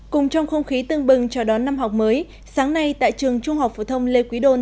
tương bừng cho đón năm học mới sáng nay tại trường trung học phổ thông lê quý đôn